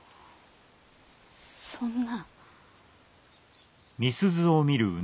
そんな。